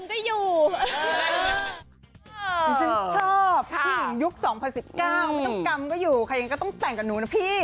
ไม่ต้องกำก็อยู่